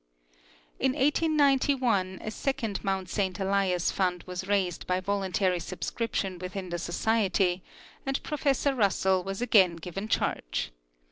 In 1891 a second mount Saint Elias fund was raised by vol untary subscription Avithin the Society, and Professor Russell was again given charge.